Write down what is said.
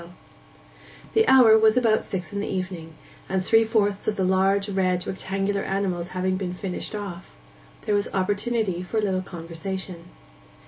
The hour was about six in the evening, and three fourths of the large, red, rectangular animals having been finished off, there was opportunity for a little conversation.